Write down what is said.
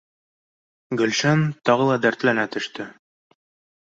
Гөлшан тағы ла дәртләнә төштө